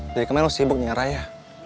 dari kemarin lo sibuk dengan raya